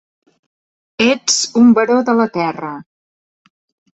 Ets un baró de la terra.